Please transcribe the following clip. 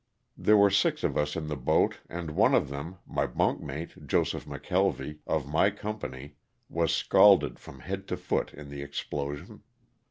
There were six of us in the boat and one of them, my bunkmate, Joseph McKelvy, of my company, was scalded from head to foot in the explosion.